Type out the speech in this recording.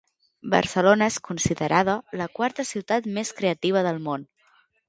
Barcelona és considerada la quarta ciutat més creativa del món.